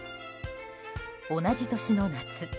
同じ年の夏